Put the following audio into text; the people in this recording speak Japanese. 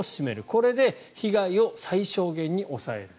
これで被害を最小限に抑える。